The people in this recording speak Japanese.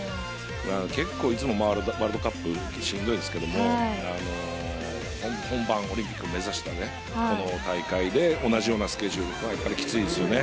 結構いつもワールドカップしんどいですけども本番、オリンピックを目指したこの大会で同じようなスケジュールはきついですよね。